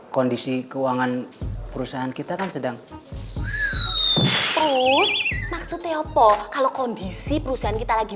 kondisi keuangan perusahaan kita sedang maksudnya kalau kondisi perusahaan kita lagi